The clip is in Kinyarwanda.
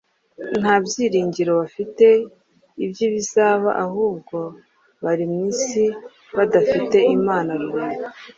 nta byiringiro bafite by’ibizaba, ahubwo bari mu isi badafite Imana Rurema.